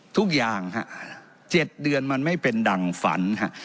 ทุกอย่างฮะ๗เดือนมันไม่เป็นดังฝันฮะ